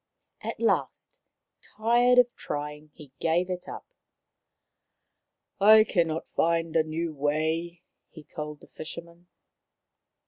At last, tired of trying, he gave it up. "I cannot find a new way," he told the fishermen.